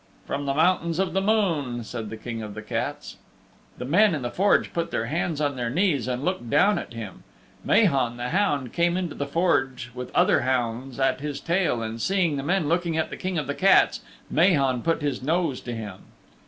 "From the Mountains of the Moon," said the King of the Cats. The men in the Forge put their hands on their knees and looked down at him. Mahon the hound came into the Forge with other hounds at his tail, and seeing the men looking at the King of the Cats, Mahon put his nose to him.